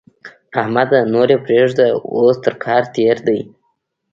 احمده! نور يې پرېږده؛ اوس کار تر کار تېر دی.